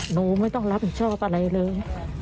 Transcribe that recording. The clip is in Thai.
หนูไม่ต้องรับผิดชอบอะไรเลย